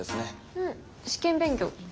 うん試験勉強。